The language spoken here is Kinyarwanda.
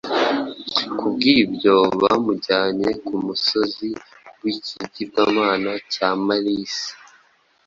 Kubw’ibyo, bamujyanye ku musozi w’ikigirwamana cya Marisi